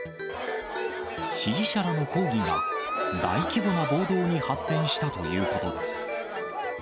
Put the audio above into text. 支持者らの抗議が、大規模な暴動に発展したということです。